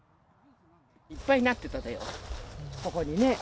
いっぱいなってたよ、ここにね。